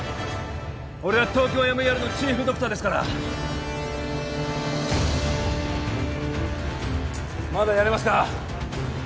俺はＴＯＫＹＯＭＥＲのチーフドクターですからまだやれますか？